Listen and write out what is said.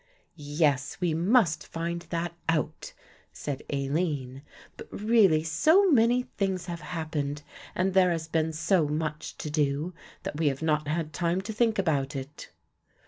"Yes, we must find that out," said Aline, "but really so many things have happened and there has been so much to do that we have not had time to think about it."